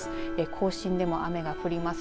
甲信でも雨が降ります